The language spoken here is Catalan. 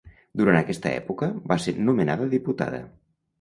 Durant aquesta època va ser nomenada diputada.